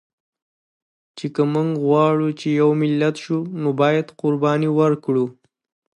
چې که مونږ غواړو چې یو ملت شو، نو باید قرباني ورکړو